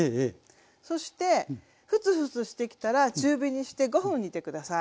そしてフツフツしてきたら中火にして５分煮て下さい。